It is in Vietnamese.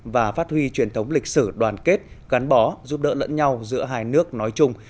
và phát huy truyền thống lịch sử đoàn kết gắn bó giúp đỡ lẫn nhau giữa hai nước nói chung